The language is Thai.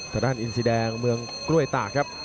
ทางด้านอินซีแดงเมืองกล้วยตากครับ